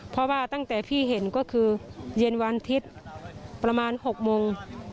เพราะว่าตั้งแต่พี่เห็นก็คือเย็นวันอาทิตย์ประมาณ๖โมง